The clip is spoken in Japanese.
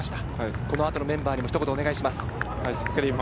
この後のメンバーにひと言お願いします。